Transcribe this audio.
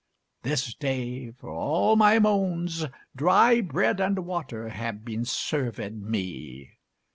This day, for all my moans, Dry bread and water have been servèd me.